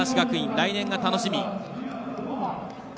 来年が楽しみ。